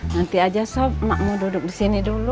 nanti aja sob mak mau duduk disini dulu